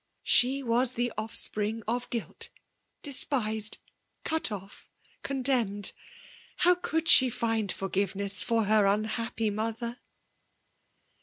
She was the off spring of guilty — despised, cut off, contemned. Haw could she find foi^pTsness for het un happy mother